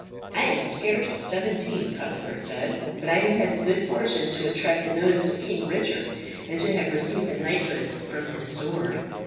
"I am scarce seventeen," Cuthbert said; "but I have had the good fortune to attract the notice of King Richard, and to have received the knighthood from his sword."